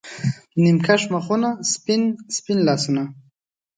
نیم کښ مخونه، سپین، سپین لاسونه